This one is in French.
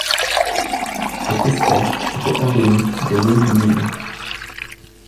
Cette espèce était endémique de l'île d'Ibiza.